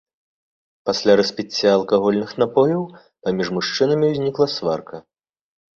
Пасля распіцця алкагольных напояў паміж мужчынамі ўзнікла сварка.